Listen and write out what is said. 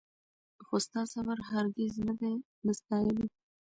خو ستا صبر هرګز نه دی د ستایلو